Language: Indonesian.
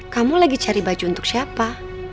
kamu lagi cari baju untuk siapa